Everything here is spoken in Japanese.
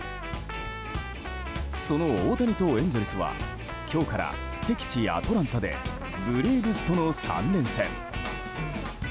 その大谷とエンゼルスは今日から適地アトランタでブレーブスとの３連戦。